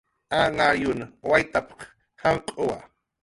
"Anhariyun waytp""qa janq'uwa"